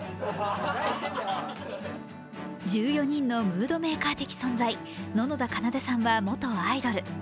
１４人のムードメーカー的存在、野々田奏さんは元アイドル。